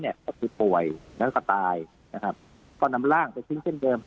เนี่ยก็คือป่วยแล้วก็ตายนะครับก็นำล่างจะชิงเข้นเริ่ม